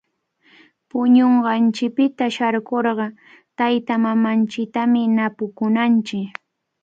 Puñunqanchikpita sharkurqa taytamamanchiktami napakunanchik.